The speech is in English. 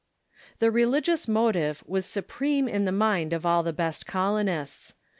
The religious motive was supreme in the mind of all the best colonists.